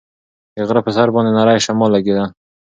د غره په سر باندې نری شمال لګېده.